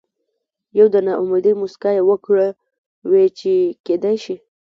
نو د نا امېدۍ مسکا يې وکړه وې چې کېدے شي